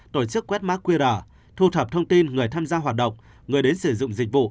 tổ chức quét mã qr thu thập thông tin người tham gia hoạt động người đến sử dụng dịch vụ